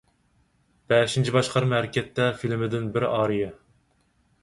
«بەشىنچى باشقارما ھەرىكەتتە» فىلىمىدىن بىر ئارىيە.